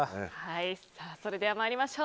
それでは参りましょう。